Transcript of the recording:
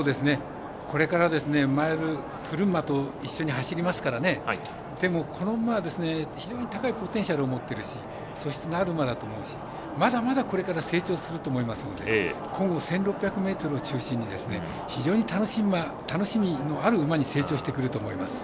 これから古馬と走りますからこの馬は非常に高いポテンシャルを持ってるし素質のある馬だと思いますしまだまだ、これから成長すると思いますので今後１６００ｍを中心に非常に楽しみのある馬に成長してくると思います。